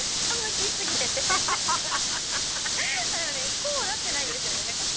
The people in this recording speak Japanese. こうはなってないんですよね